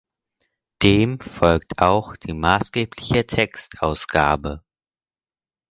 Dem folgt auch die maßgebliche Textausgabe.